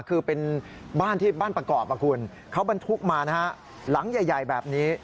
คือเป็นบ้านประกอบเขาบรรทุกมาหลังใหญ่แบบนี้